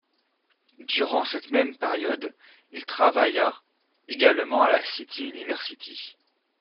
Durant cette même période, il travailla également à la City University.